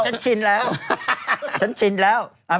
ชินแล้วฉันชินแล้ว